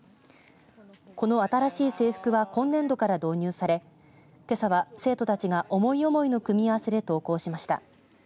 この新しい制服は今年度から導入されけさは生徒たちが思い思いの組み合わせで登校しました。